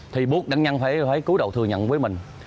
thì buộc nạn nhân phải cứu đầu thừa nhận với mình